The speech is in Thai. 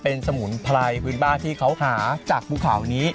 เป็นสบุรณไพรบ้านที่เขาหาจากบุค่านี้